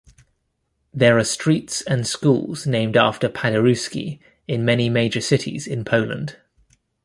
There are streets and schools named after Paderewski in many major cities in Poland.